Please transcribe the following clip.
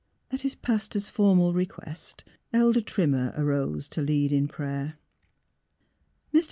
At his pastor's formal request, Elder Trimmer, arose to lead in prayer. Mr.